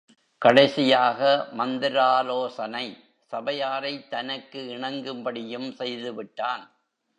கடைசியாக மந்திராலோசனை சபையாரைத் தனக்கு இணங்கும்படியும் செய்துவிட்டான்.